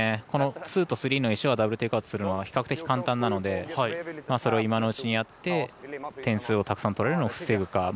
このツーとスリーの石はダブル・テイクアウトするのは比較的、簡単なのでそれを今のうちにやって点数をたくさん取られるのを防ぐか。